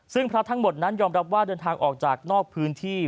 ซึ่งพระทั้งหมดนั้นยอมรับว่าเดินทางออกจากนอกพื้นที่